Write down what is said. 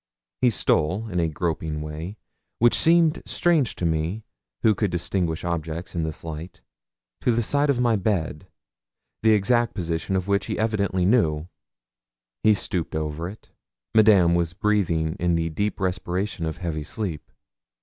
He stole, in a groping way, which seemed strange to me, who could distinguish objects in this light, to the side of my bed, the exact position of which he evidently knew; he stooped over it. Madame was breathing in the deep respiration of heavy sleep.